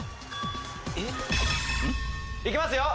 いきますよ